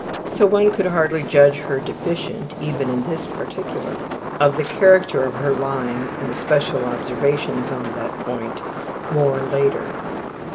So one could hardly judge her deficient even in this particular. (Of the character of her lying and the special observations on that point more later.)